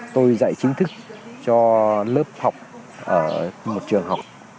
tôi dạy chính thức cho lớp học ở một trường học